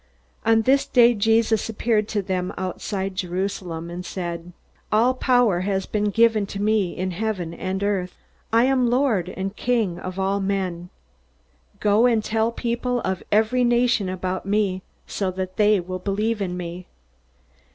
On this day Jesus appeared to them outside Jerusalem, and said: "All power has been given to me in heaven and earth. I am Lord and King of all men. Go and tell people of every nation about me, so that they will believe in me.